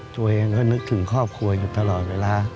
ตัวเองก็นึกถึงครอบครัวอยู่ตลอดเวลา